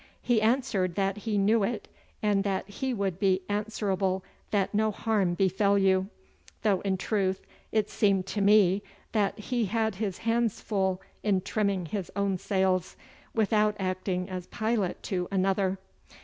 He answered that he knew it, and that he would be answerable that no harm befell you, though in truth it seemed to me that he had his hands full in trimming his own sails, without acting as pilot to another.